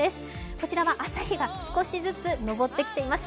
こちらは朝日が少しずつ昇ってきています。